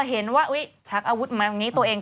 เห็นว่าชักอาวุธมา